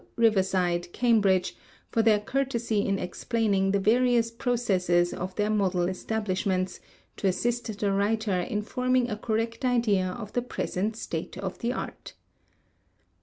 Riverside, Cambridge, for their courtesy in explaining the various processes of their model establishments, to assist the writer in forming a correct idea of the present state of the art.